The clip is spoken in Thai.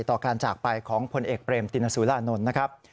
ต่อการจากไปของผลเอกเบรมตินสุรานนท์นะครับ